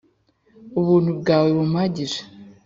ubuntu bwawe bumpagije